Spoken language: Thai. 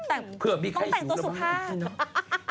ต้องแต่งตัวสุภาพ